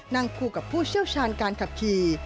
นั่งคู่กับผู้เชี่ยวชาญการขับขี่